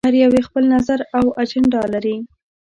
هر يو یې خپل نظر او اجنډا لري.